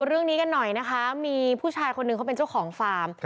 เรื่องนี้กันหน่อยนะคะมีผู้ชายคนหนึ่งเขาเป็นเจ้าของฟาร์ม